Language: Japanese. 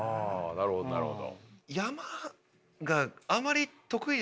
なるほどなるほど。